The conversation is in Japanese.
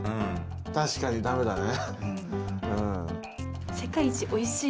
確かに駄目だね。